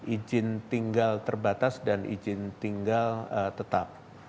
izin tinggal terbatas dan izin tinggal tetap